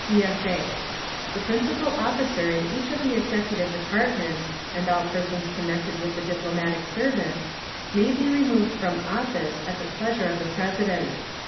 [CSA] _The principal officer in each of the executive departments, and all persons connected with the diplomatic service, may be removed from office at the pleasure of the President.